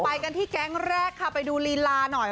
ไปกันที่แก๊งแรกค่ะไปดูลีลาหน่อย